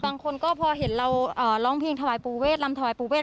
บางคนก็พอเห็นเราร้องเพลงถวายปูเวทลำถวายปูเวท